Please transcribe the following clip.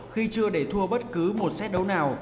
khi chưa để thua bất cứ một xét đấu nào